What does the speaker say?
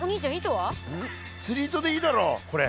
釣り糸でいいだろこれ。